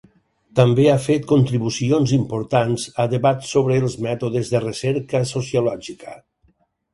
També ha fet contribucions importants a debats sobre els mètodes de recerca sociològica.